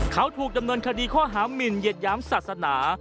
เขาถูกดำเนินคดีข้อหามินเหยียดหยามศาสนา